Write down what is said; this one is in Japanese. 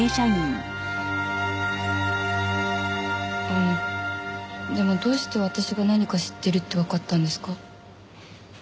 あのでもどうして私が何か知ってるってわかったんですか？